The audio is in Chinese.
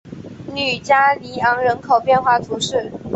吕加尼昂人口变化图示